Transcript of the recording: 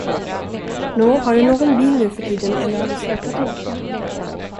Nå, har du någon bil nuförtiden eller har du slutat åka?